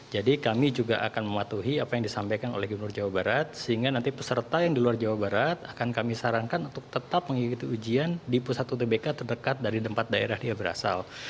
jadi kami juga akan mematuhi apa yang disampaikan oleh gubernur jawa barat sehingga nanti peserta yang di luar jawa barat akan kami sarankan untuk tetap mengikuti ujian di pusat utbk terdekat dari tempat daerah dia berasal